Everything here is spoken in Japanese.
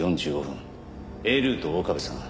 Ａルートを岡部さん